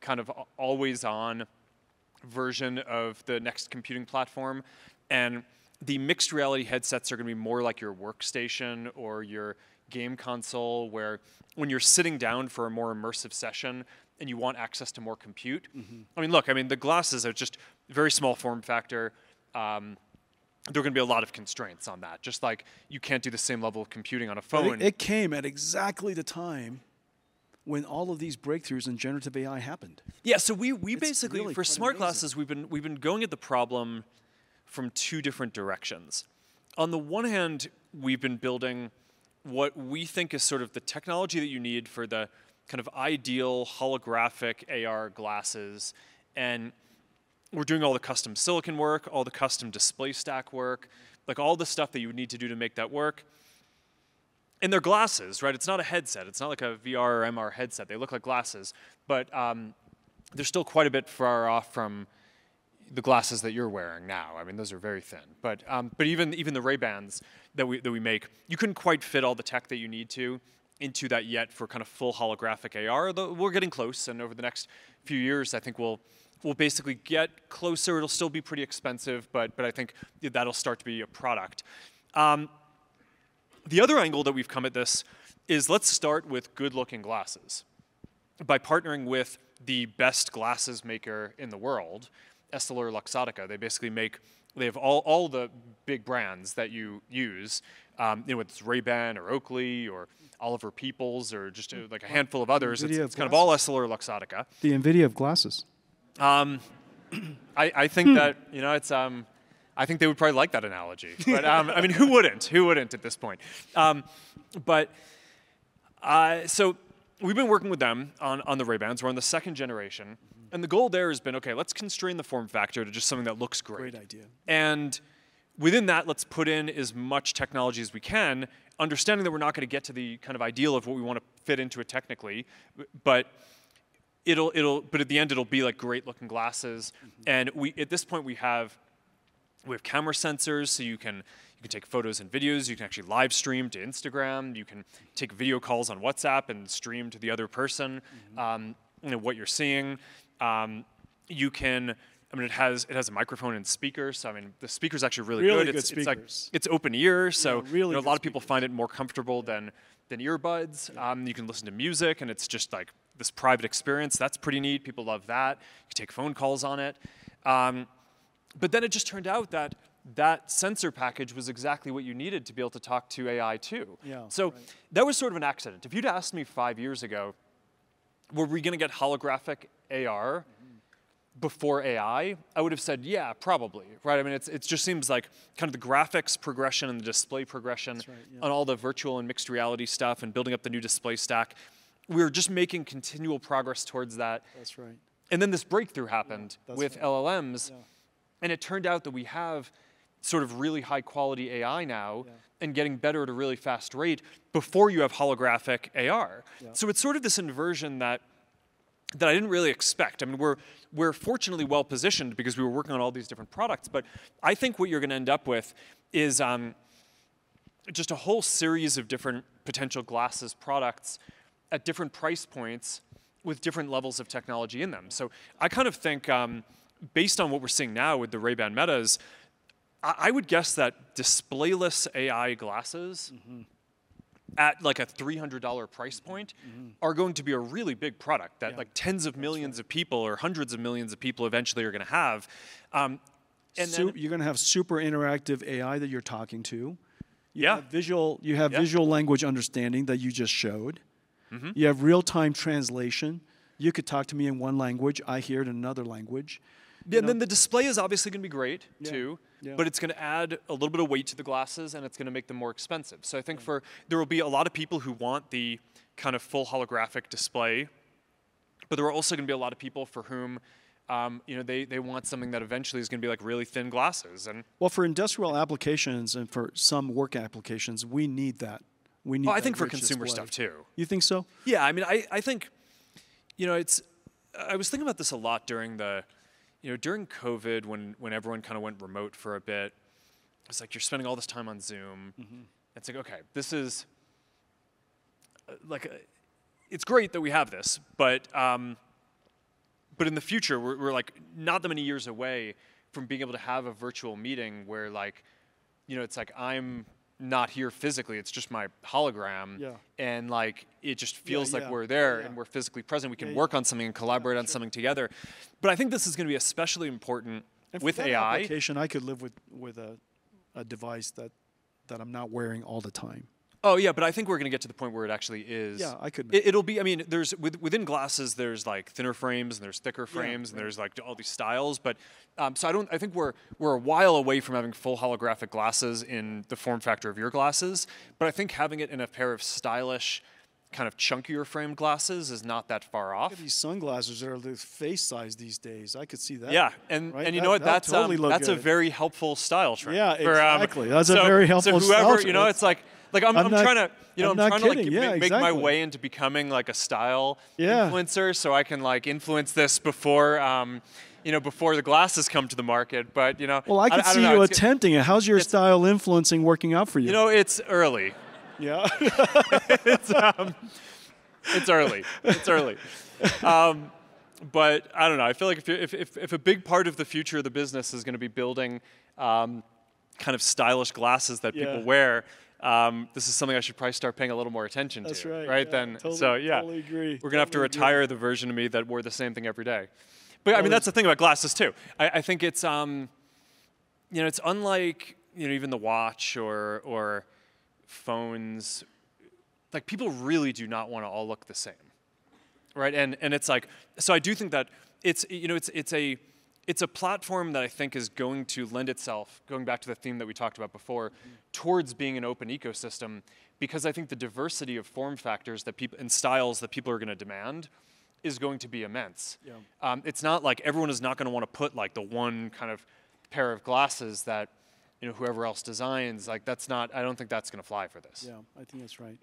kind of always-on version of the next computing platform. The mixed reality headsets are going to be more like your workstation or your game console, where when you're sitting down for a more immersive session and you want access to more compute. I mean, look, I mean, the glasses are just very small form factor. There are going to be a lot of constraints on that, just like you can't do the same level of computing on a phone. It came at exactly the time when all of these breakthroughs in generative AI happened. Yeah, so we basically. For smart glasses, we've been going at the problem from two different directions. On the one hand, we've been building what we think is sort of the technology that you need for the kind of ideal holographic AR glasses. And we're doing all the custom silicon work, all the custom display stack work, like all the stuff that you would need to do to make that work. And they're glasses, right? It's not a headset. It's not like a VR or MR headset. They look like glasses. But they're still quite a bit far off from the glasses that you're wearing now. I mean, those are very thin. But even the Ray-Bans that we make, you couldn't quite fit all the tech that you need to into that yet for kind of full holographic AR. We're getting close. And over the next few years, I think we'll basically get closer. It'll still be pretty expensive. But I think that'll start to be a product. The other angle that we've come at this is let's start with good-looking glasses. By partnering with the best glasses maker in the world, EssilorLuxottica, they basically make, they have all the big brands that you use, whether it's Ray-Ban or Oakley or Oliver Peoples or just like a handful of others. It's kind of all EssilorLuxottica. The NVIDIA of glasses. I think that, you know, I think they would probably like that analogy. But I mean, who wouldn't? Who wouldn't at this point? But so we've been working with them on the Ray-Ban. We're on the second generation. And the goal there has been, OK, let's constrain the form factor to just something that looks great. Great idea. And within that, let's put in as much technology as we can, understanding that we're not going to get to the kind of ideal of what we want to fit into it technically. But at the end, it'll be like great-looking glasses. And at this point, we have camera sensors. So you can take photos and videos. You can actually live stream to Instagram. You can take video calls on WhatsApp and stream to the other person what you're seeing. You can, I mean, it has a microphone and speakers. So I mean, the speaker's actually really good. Really good speakers. It's open ear. So a lot of people find it more comfortable than earbuds. You can listen to music. And it's just like this private experience. That's pretty neat. People love that. You can take phone calls on it. But then it just turned out that that sensor package was exactly what you needed to be able to talk to AI, too. So that was sort of an accident. If you'd asked me five years ago, were we going to get holographic AR before AI? I would have said, yeah, probably. Right? I mean, it just seems like kind of the graphics progression and the display progression on all the virtual and mixed reality stuff and building up the new display stack, we were just making continual progress towards that. That's right. Then this breakthrough happened with LLMs. It turned out that we have sort of really high-quality AI now and getting better at a really fast rate before you have holographic AR. So it's sort of this inversion that I didn't really expect. I mean, we're fortunately well-positioned because we were working on all these different products. I think what you're going to end up with is just a whole series of different potential glasses products at different price points with different levels of technology in them. I kind of think based on what we're seeing now with the Ray-Ban Meta, I would guess that display-less AI glasses at like a $300 price point are going to be a really big product that like tens of millions of people or hundreds of millions of people eventually are going to have. You're going to have super interactive AI that you're talking to. Yeah. You have visual language understanding that you just showed. You have real-time translation. You could talk to me in one language. I hear it in another language. Yeah, and then the display is obviously going to be great, too. But it's going to add a little bit of weight to the glasses. And it's going to make them more expensive. So I think there will be a lot of people who want the kind of full holographic display. But there are also going to be a lot of people for whom they want something that eventually is going to be like really thin glasses. Well, for industrial applications and for some work applications, we need that. Well, I think for consumer stuff, too. You think so? Yeah, I mean, I think I was thinking about this a lot during COVID when everyone kind of went remote for a bit. It's like you're spending all this time on Zoom. It's like, OK, this is like it's great that we have this. But in the future, we're like not that many years away from being able to have a virtual meeting where it's like I'm not here physically. It's just my hologram. And it just feels like we're there and we're physically present. We can work on something and collaborate on something together. But I think this is going to be especially important with AI. I could live with a device that I'm not wearing all the time. Oh, yeah, but I think we're going to get to the point where it actually is. Yeah, I could. I mean, within glasses, there's like thinner frames. There's thicker frames. There's like all these styles. But so I think we're a while away from having full holographic glasses in the form factor of your glasses. But I think having it in a pair of stylish, kind of chunkier framed glasses is not that far off. These sunglasses are at least face size these days. I could see that. Yeah. And you know what? That's totally legit. That's a very helpful style track. Yeah, exactly. That's a very helpful style. Whoever, you know, it's like I'm trying to make my way into becoming like a style influencer so I can influence this before the glasses come to the market. But you know. Well, I can see you attempting it. How's your style influencing working out for you? You know, it's early. Yeah? It's early. It's early. But I don't know. I feel like if a big part of the future of the business is going to be building kind of stylish glasses that people wear, this is something I should probably start paying a little more attention to. That's right. Right? Totally agree. We're going to have to retire the version of me that wore the same thing every day. But I mean, that's the thing about glasses, too. I think it's unlike even the watch or phones. Like people really do not want to all look the same. And it's like, so I do think that it's a platform that I think is going to lend itself, going back to the theme that we talked about before, towards being an open ecosystem. Because I think the diversity of form factors and styles that people are going to demand is going to be immense. It's not like everyone is not going to want to put like the one kind of pair of glasses that whoever else designs. I don't think that's going to fly for this. Yeah, I think that's right.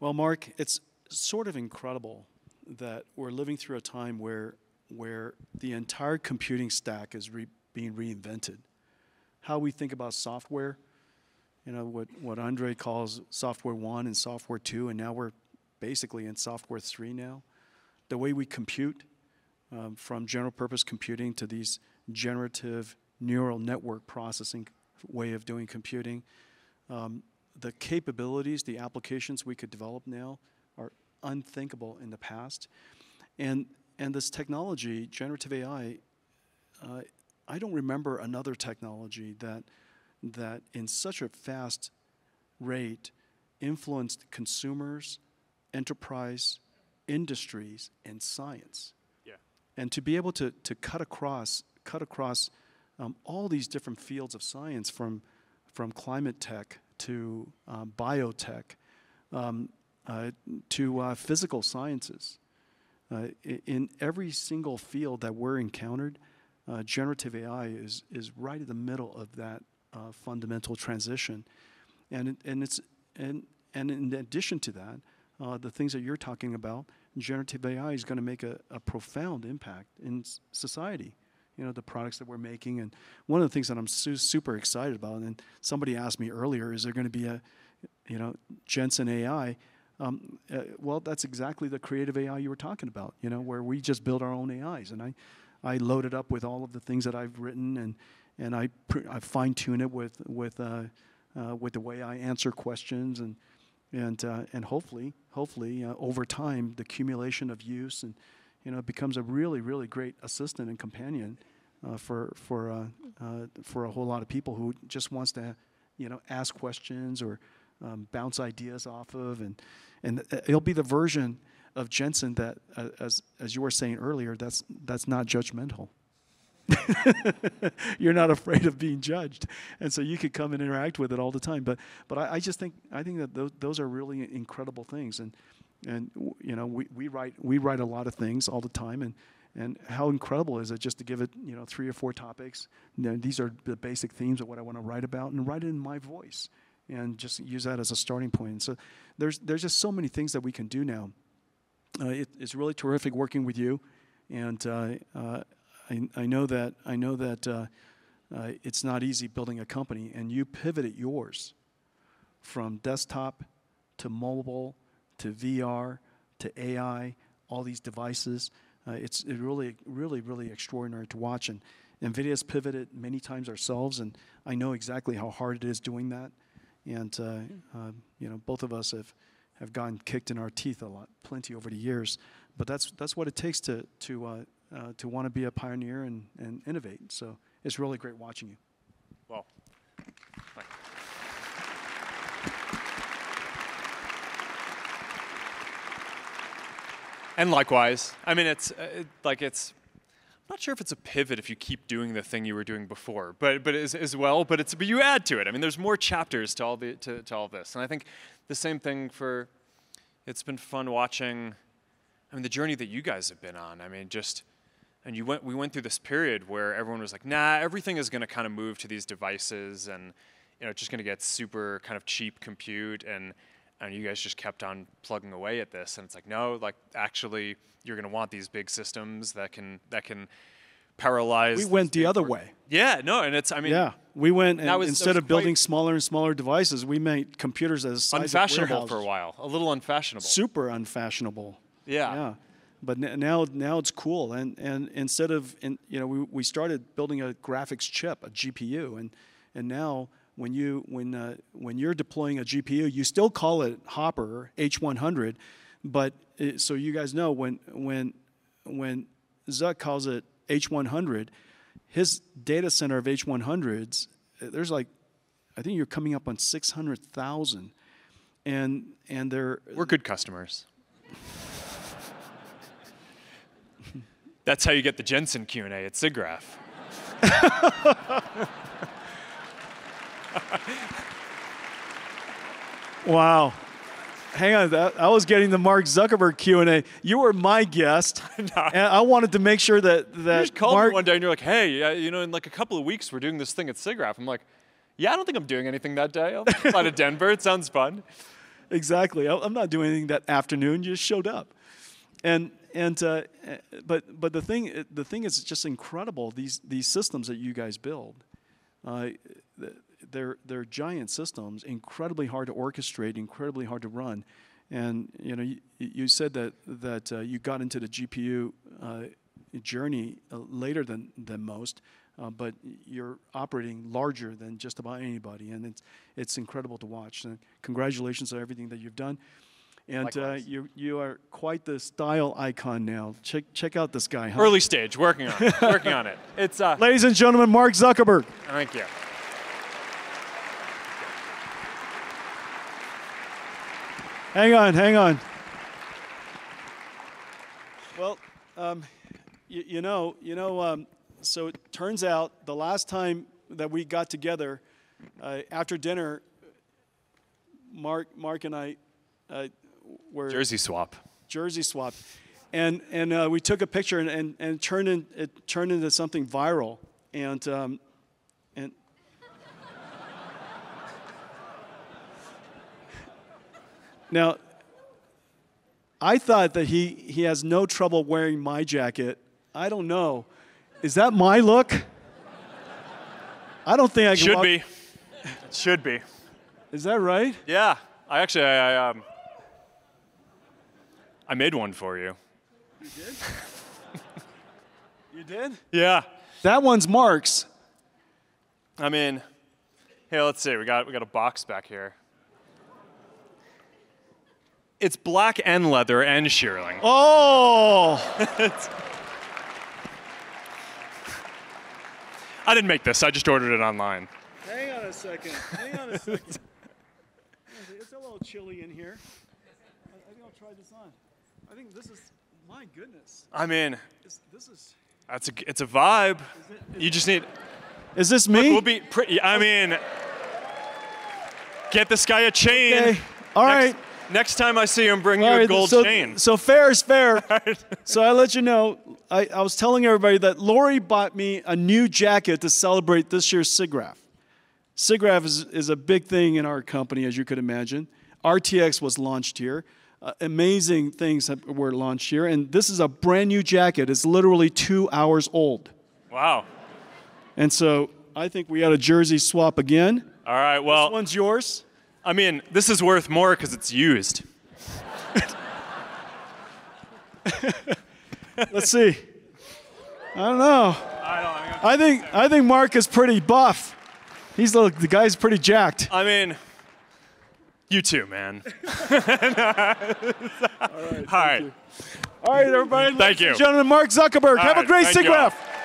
Well, Mark, it's sort of incredible that we're living through a time where the entire computing stack is being reinvented. How we think about software, what Andrej calls software one and software two, and now we're basically in software three now, the way we compute from general purpose computing to these generative neural network processing ways of doing computing, the capabilities, the applications we could develop now are unthinkable in the past. And this technology, generative AI, I don't remember another technology that in such a fast rate influenced consumers, enterprise, industries, and science. And to be able to cut across all these different fields of science from climate tech to biotech to physical sciences, in every single field that we're encountered, generative AI is right in the middle of that fundamental transition. In addition to that, the things that you're talking about, generative AI is going to make a profound impact in society, the products that we're making. One of the things that I'm super excited about, and somebody asked me earlier, is there going to be a Jensen AI? Well, that's exactly the creative AI you were talking about, where we just build our own AIs. I load it up with all of the things that I've written. I fine-tune it with the way I answer questions. Hopefully, over time, the accumulation of use becomes a really, really great assistant and companion for a whole lot of people who just want to ask questions or bounce ideas off of. It'll be the version of Jensen that, as you were saying earlier, that's not judgmental. You're not afraid of being judged. You could come and interact with it all the time. But I just think that those are really incredible things. We write a lot of things all the time. And how incredible is it just to give it three or four topics? These are the basic themes of what I want to write about and write it in my voice and just use that as a starting point. So there's just so many things that we can do now. It's really terrific working with you. And I know that it's not easy building a company. And you pivoted yours from desktop to mobile to VR to AI, all these devices. It's really, really, really extraordinary to watch. And NVIDIA has pivoted many times ourselves. And I know exactly how hard it is doing that. And both of us have gotten kicked in our teeth a lot, plenty over the years. But that's what it takes to want to be a pioneer and innovate. So it's really great watching you. Well, thanks. And likewise, I mean, I'm not sure if it's a pivot if you keep doing the thing you were doing before, but as well. But you add to it. I mean, there's more chapters to all this. And I think the same thing for it's been fun watching, I mean, the journey that you guys have been on. I mean, just we went through this period where everyone was like, nah, everything is going to kind of move to these devices. And it's just going to get super kind of cheap compute. And you guys just kept on plugging away at this. And it's like, no, actually, you're going to want these big systems that can parallelize. We went the other way. Yeah, no. I mean.. Yeah, we went and instead of building smaller and smaller devices, we made computers as. Unfashionable. Unfashionable for a while. A little unfashionable. Super unfashionable. Yeah. Yeah. But now it's cool. And instead of we started building a graphics chip, a GPU. And now when you're deploying a GPU, you still call it Hopper H100. So you guys know when Zuck calls it H100, his data center of H100s, there's like, I think you're coming up on 600,000. And they're. We're good customers. That's how you get the Jensen Q&A at SIGGRAPH. Wow. Hang on. I was getting the Mark Zuckerberg Q&A. You were my guest. I wanted to make sure that Mark. You just called me one day. You're like, hey, in like a couple of weeks, we're doing this thing at SIGGRAPH. I'm like, yeah, I don't think I'm doing anything that day. I'll fly to Denver. It sounds fun. Exactly. I'm not doing anything that afternoon. You just showed up. The thing is just incredible, these systems that you guys build. They're giant systems, incredibly hard to orchestrate, incredibly hard to run. You said that you got into the GPU journey later than most. You're operating larger than just about anybody. It's incredible to watch. Congratulations on everything that you've done. You are quite the style icon now. Check out this guy. Early stage, working on it. Ladies and gentlemen, Mark Zuckerberg. Thank you. Hang on, hang on. Well, you know, so it turns out the last time that we got together after dinner, Mark and I were. Jersey swap. Jersey swap. We took a picture. It turned into something viral. Now I thought that he has no trouble wearing my jacket. I don't know. Is that my look? I don't think I can walk in. Should be. Should be. Is that right? Yeah. Actually, I made one for you. You did? You did? Yeah. That one's Mark's. I mean, here, let's see. We got a box back here. It's black and leather and shearling. Oh. I didn't make this. I just ordered it online. Hang on a second. Hang on a second. It's a little chilly in here. I think I'll try this on. I think this is my goodness. I mean. This is. It's a vibe. You just need. Is this me? I mean, get this guy a chain. OK. All right. Next time I see you, I'm bringing you a gold chain. So fair is fair. So I'll let you know, I was telling everybody that Lori bought me a new jacket to celebrate this year's SIGGRAPH. SIGGRAPH is a big thing in our company, as you could imagine. RTX was launched here. Amazing things were launched here. And this is a brand new jacket. It's literally two hours old. Wow. I think we got a jersey swap again. All right, well. This one's yours. I mean, this is worth more because it's used. Let's see. I don't know. I think Mark is pretty buff. The guy's pretty jacked. I mean, you too, man. All right. All right. All right, everybody. Thank you. Gentlemen, Mark Zuckerberg. Have a great SIGGRAPH.